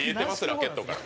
ラケットから。